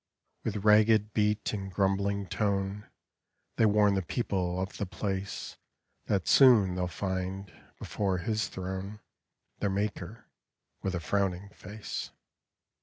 With ragged beat and grumbling tone They warn the people of the place That soon they '11 find, before His Throne, Their Maker, with a frowning face.